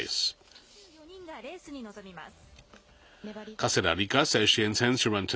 女子は２４人がレースに臨みます。